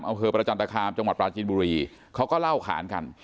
อำเภอประจันตคามจังหวัดปราจีนบุรีเขาก็เล่าขานกัน